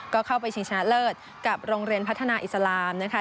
ก็เข้าไปชิงชนะเลิศกับโรงเรียนพัฒนาอิสลามนะคะ